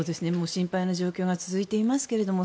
心配な状況が続いていますけれども。